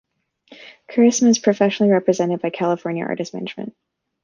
Chorissima is professionally represented by California Artists Management.